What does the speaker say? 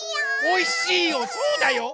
おいしいよそうだよ！